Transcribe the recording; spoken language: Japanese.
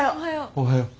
おはよう。